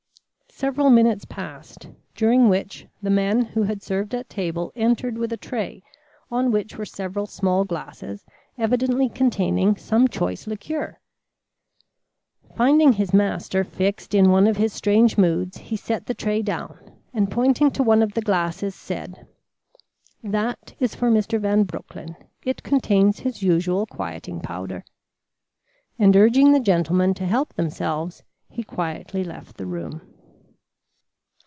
Several minutes passed during which the man who had served at table entered with a tray on which were several small glasses evidently containing some choice liqueur. Finding his master fixed in one of his strange moods, he set the tray down and, pointing to one of the glasses, said: "That is for Mr. Van Broecklyn. It contains his usual quieting powder." And urging the gentlemen to help themselves, he quietly left the room.